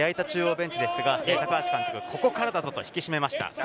中央ベンチですが、高橋監督、ここからだぞと引き締めました。